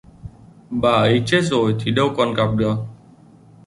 bà ấy chết rồi thì đâu còn gặp được